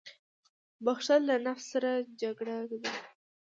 • بښل له نفس سره جګړه ده.